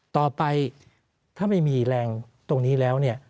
ต่อไปถ้าไม่มีแรงตรงนี้แล้วเนี่ย